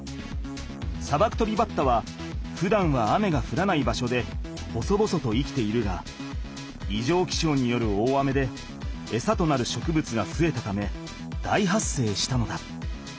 サバクトビバッタはふだんは雨がふらない場所で細々と生きているがいじょうきしょうによる大雨でエサとなる植物がふえたため大発生したのだ。